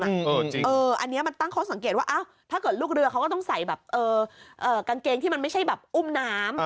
อันนี้มันตั้งข้อสังเกตว่าถ้าเกิดลูกเรือเขาก็ต้องใส่แบบกางเกงที่มันไม่ใช่แบบอุ้มน้ำ